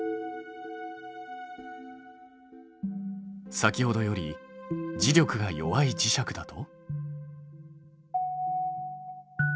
先ほどより磁力が弱い磁石だと。